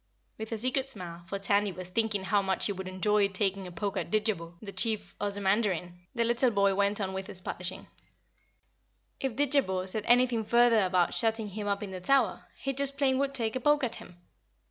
With a secret smile, for Tandy was thinking how much he would enjoy taking a poke at Didjabo, the Chief Ozamandarin, the little boy went on with his polishing. If Didjabo said anything further about shutting him up in the Tower, he just plain would take a poke at him.